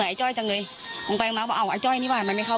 น้องจ้อยนั่งก้มหน้าไม่มีใครรู้ข่าวว่าน้องจ้อยเสียชีวิตไปแล้ว